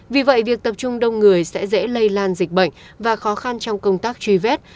vì vậy việc tập trung đông người sẽ dễ lây lan dịch bệnh và khó khăn trong công tác truy vết